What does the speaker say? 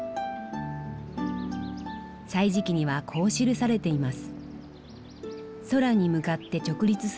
「歳時記」にはこう記されています。